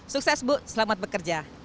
sukses bu selamat bekerja